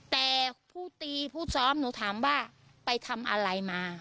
แต่ผู้ตีผู้ซ้อมหนูถามว่าไปทำอะไรมา